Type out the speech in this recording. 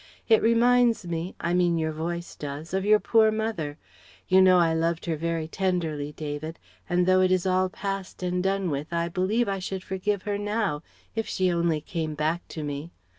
It reminds me I mean your voice does of your poor mother. You know I loved her very tenderly, David, and though it is all past and done with I believe I should forgive her now, if she only came back to me.